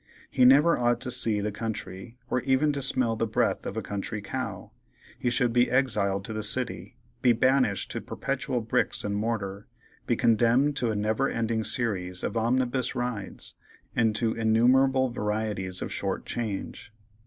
He never ought to see the country, or even to smell the breath of a country cow. He should be exiled to the city; be banished to perpetual bricks and mortar; be condemned to a never ending series of omnibus rides, and to innumerable varieties of short change.